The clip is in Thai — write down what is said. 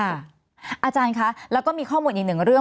อาจารย์คะแล้วก็มีข้อมูลอีกหนึ่งเรื่อง